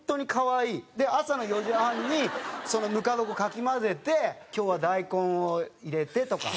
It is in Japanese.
で朝の４時半にそのぬか床かき混ぜて今日は大根を入れてとか。